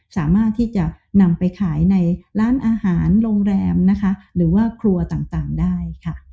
สามารถที่จะนำไปขายในร้านอาหารโรงแรมนะคะหรือว่าครัวต่างได้ค่ะ